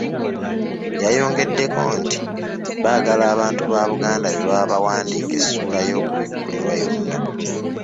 Yayongeddeko nti baagala abantu ba Buganda be baba bawandiika essuula y'okubikkulirwa yonna.